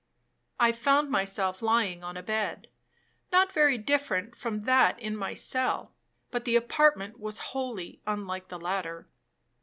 'I found myself lying on a bed, not very different from that in my cell, but the apartment was wholly unlike the latter.